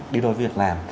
đi đổi việc làm